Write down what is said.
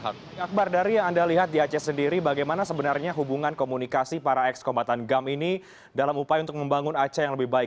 akbar dari yang anda lihat di aceh sendiri bagaimana sebenarnya hubungan komunikasi para ex kombatan gam ini dalam upaya untuk membangun aceh yang lebih baik